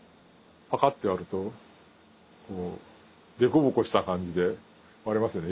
ッて割るとこう凸凹した感じで割れますよね